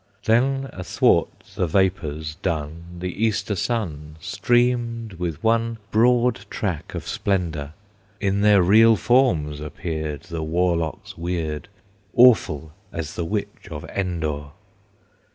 Then athwart the vapors dun The Easter sun Streamed with one broad track of splendor! In their real forms appeared The warlocks weird, Awful as the Witch of Endor.